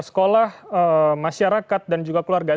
sekolah masyarakat dan juga keluarga